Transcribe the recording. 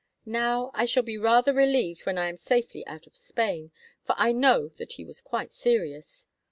Now, I shall be rather relieved when I am safely out of Spain, for I know that he was quite serious.